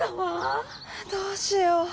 どうしよう。